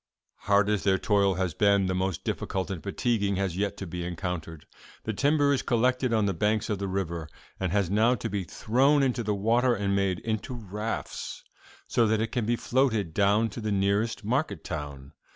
"'Hard as their toil has been, the most difficult and fatiguing has yet to be encountered. The timber is collected on the banks of the river, and has now to be thrown into the water and made into rafts, so that it can be floated down to the nearest market town.